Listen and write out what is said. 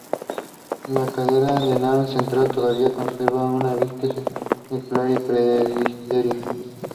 Surface Biology and Geology was one of the designated program elements.